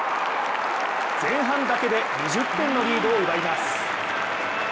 前半だけで２０点のリードを奪います。